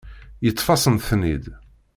Yeṭṭef-asent-ten-id.